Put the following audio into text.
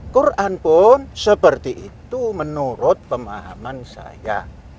quran pun seperti itu menurut pemahaman saya